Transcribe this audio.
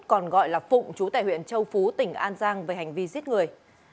còn gọi là phụng chú tại huyện châu phú tỉnh an giang về hành vi giết người